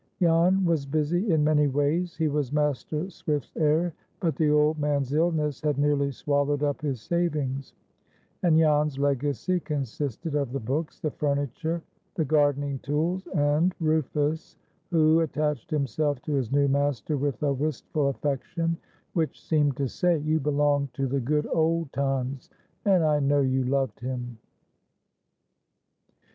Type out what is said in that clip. Jan was busy in many ways. He was Master Swift's heir; but the old man's illness had nearly swallowed up his savings, and Jan's legacy consisted of the books, the furniture, the gardening tools, and Rufus, who attached himself to his new master with a wistful affection which seemed to say, "You belong to the good old times, and I know you loved him."